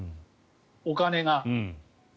お金が。